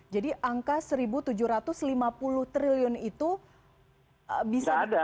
jadi angka rp satu tujuh ratus lima puluh triliun itu bisa